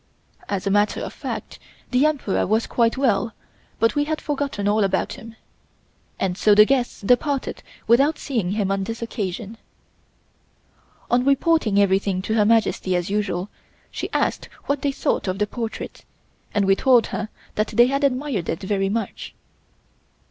As a matter of fact the Emperor was quite well, but we had forgotten all about him. And so the guests departed without seeing him on this occasion. On reporting everything to Her Majesty as usual, she asked what they thought of the portrait, and we told her that they had admired it very much.